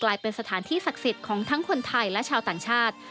เป็นสถานที่ศักดิ์สิทธิ์ของทั้งคนไทยและชาวต่างชาติ